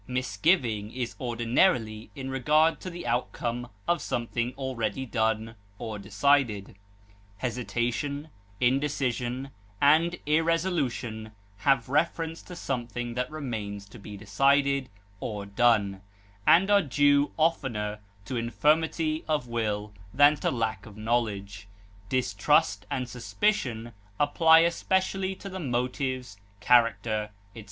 Misgiving is ordinarily in regard to the outcome of something already done or decided; hesitation, indecision, and irresolution have reference to something that remains to be decided or done, and are due oftener to infirmity of will than to lack of knowledge. Distrust and suspicion apply especially to the motives, character, etc.